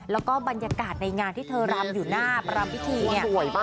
แล้วก็บรรยากาศในงานที่เธอรำอยู่หน้าประรำพิธีเนี่ย